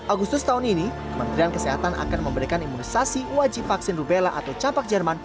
agustus tahun ini kementerian kesehatan akan memberikan imunisasi wajib vaksin rubella atau capak jerman